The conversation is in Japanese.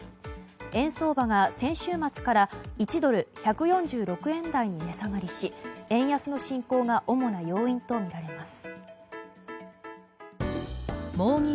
円相場が先週末から１ドル＝１４６円台に値下がりし円安の進行が主な要因とみられます。